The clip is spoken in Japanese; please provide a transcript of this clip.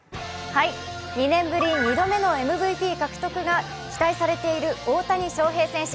２年ぶり２度目のＭＶＰ獲得が期待されている大谷翔平選手。